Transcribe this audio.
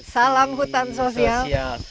salam hutan sosial